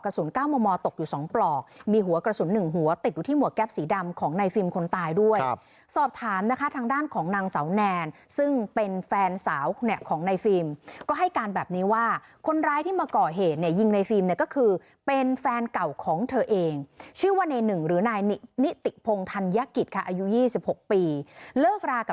ตกอยู่สองปลอกมีหัวกระสุนหนึ่งหัวติดอยู่ที่หมวกแก๊ปสีดำของในฟิล์มคนตายด้วยสอบถามนะคะทางด้านของนางเสาแนนซึ่งเป็นแฟนสาวเนี่ยของในฟิล์มก็ให้การแบบนี้ว่าคนร้ายที่มาก่อเหตุเนี่ยยิงในฟิล์มเนี่ยก็คือเป็นแฟนเก่าของเธอเองชื่อว่าในหนึ่งหรือนายนิติพงธัญกิจค่ะอายุ๒๖ปีเลิกรากับ